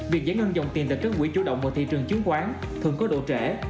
việc giải ngân dòng tiền từ các quỹ chủ động vào thị trường chứng khoán thường có độ trễ